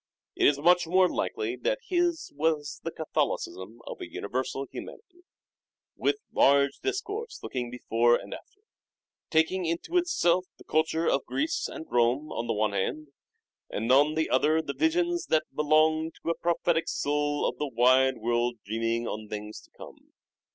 It is much more likely that his was the Catholicism of a universal Humanity, " with large discourse looking before and after," taking into itself the culture of Greece and Rome on the one hand, and on the other the visions that belong to a " prophetic soul of the wide world dreaming on things to come."